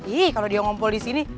ih kalau dia ngumpul di sini